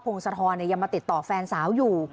งศธรยังมาติดต่อแฟนสาวอยู่